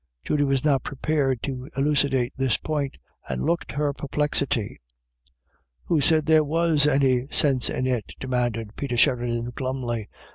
Judy was not prepared to elucidate this point, and looked her perplexity. " Who said there was any sinse in it ?" de manded Peter Sheridan, glumly.